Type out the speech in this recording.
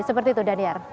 seperti itu daniar